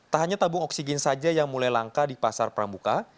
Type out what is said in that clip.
tak hanya tabung oksigen saja yang mulai langka di pasar pramuka